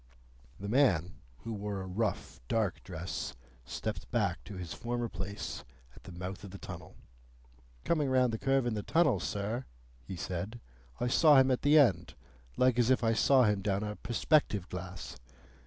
The man, who wore a rough dark dress, stepped back to his former place at the mouth of the tunnel. "Coming round the curve in the tunnel, sir," he said, "I saw him at the end, like as if I saw him down a perspective glass.